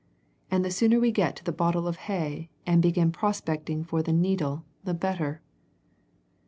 And the sooner we get to the bottle of hay and begin prospecting for the needle the better!"